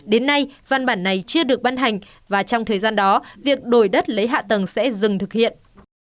đến nay văn bản này chưa được ban hành và trong thời gian đó việc đổi đất lấy hạ tầng sẽ dừng thực hiện